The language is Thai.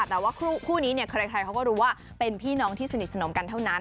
แต่ว่าคู่นี้เนี่ยใครเขาก็รู้ว่าเป็นพี่น้องที่สนิทสนมกันเท่านั้น